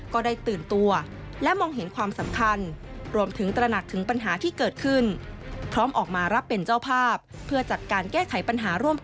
ก็ได้ตื่นตัวและมองเห็นความสำคัญ